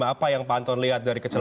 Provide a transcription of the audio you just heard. apa yang pak anton lihat dari kecil